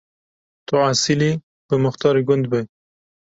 Tu esîlî, bi muxtarê gund be.